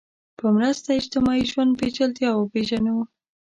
په مرسته اجتماعي ژوند پېچلتیا وپېژنو